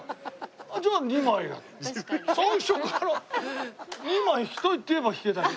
最初から２枚引きたいって言えば引けたのに。